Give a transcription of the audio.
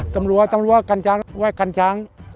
ตำรวจกันช้างไว้กันช้าง